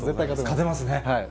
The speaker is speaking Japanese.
勝てますね。